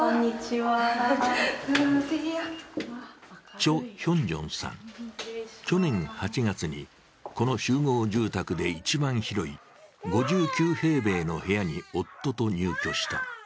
チョ・ヒョンジョンさん、去年８月にこの集合住宅の一番広い５９平米の部屋に夫と入居した。